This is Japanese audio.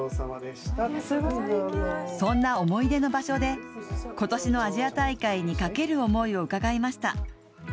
そんな思い出の場所で今年のアジア大会にかける思いを伺いました。